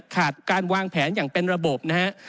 ขาดการวางแผนอย่างเป็นระบบนะฮะ